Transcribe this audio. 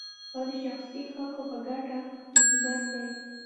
دا د شخصي خلکو په ګټه حکومت دی